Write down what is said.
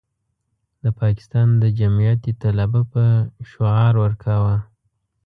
د پاکستان د جمعیت طلبه به شعار ورکاوه.